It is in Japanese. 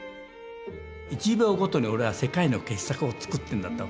１秒ごとに俺は世界の傑作を作ってるんだと。